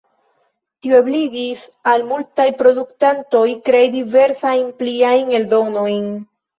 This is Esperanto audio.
Tio ebligis al multaj produktantoj krei diversajn pliajn eldonojn.